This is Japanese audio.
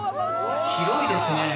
広いですね！